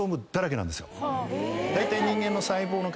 だいたい。